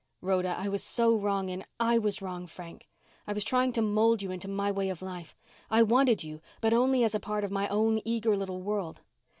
"Rhoda, I was so wrong in " "I was wrong, Frank. I was trying to mold you into my way of life. I wanted you, but only as a part of my own eager little world.